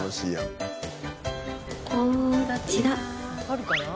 あるかな？